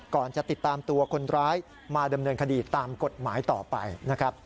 จะติดตามตัวคนร้ายมาดำเนินคดีตามกฎหมายต่อไปนะครับ